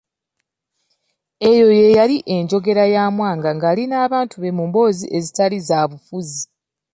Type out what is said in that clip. Eyo ye yali enjogera ya Mwanga ng'ali n'abantu be mu mboozi ezitali za bufuzi.